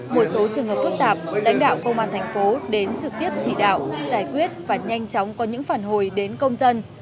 một số trường hợp phức tạp lãnh đạo công an thành phố đến trực tiếp chỉ đạo giải quyết và nhanh chóng có những phản hồi đến công dân